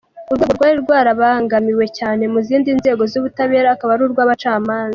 Urwego rwari rwarabangamiwe cyane mu zindi nzego z’ubutabera akaba ari urw’abacamanza.